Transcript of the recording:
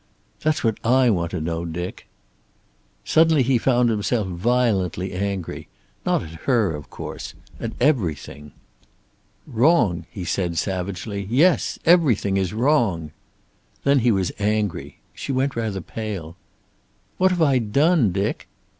"That's what I want to know, Dick." Suddenly he found himself violently angry. Not at her, of course. At everything. "Wrong?" he said, savagely. "Yes. Everything is wrong!" Then he was angry! She went rather pale. "What have I done, Dick?"